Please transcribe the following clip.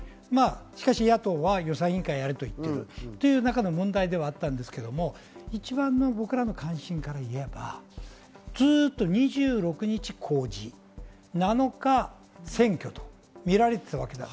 しかし野党は予算委員会をやれといっているという中の問題ではあったんですが、一番の関心から言えば、ずっと２６日公示、７日選挙とみられていたわけです。